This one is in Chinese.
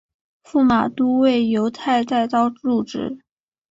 驸马都尉游泰带刀入直。